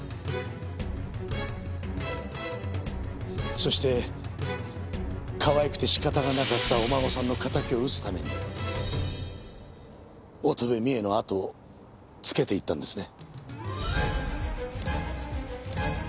そしてかわいくて仕方がなかったお孫さんの敵を討つために乙部美栄のあとをつけていったんですね？